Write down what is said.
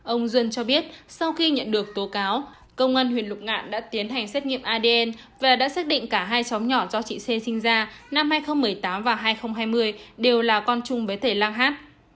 ông duân cho biết sau khi nhận được tố cáo công an huyện lục ngạn đã tiến hành xét nghiệm adn và đã xác định cả hai xóm nhỏ do chị xê sinh ra năm hai nghìn một mươi tám và hai nghìn hai mươi đều là con chung với thầy lang hát